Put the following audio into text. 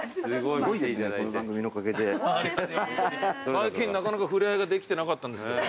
最近なかなか触れ合いができてなかったんですけど。